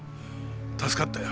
助かったよ。